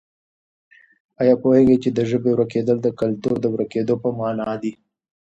آیا پوهېږې چې د ژبې ورکېدل د کلتور د ورکېدو په مانا دي؟